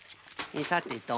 さてと。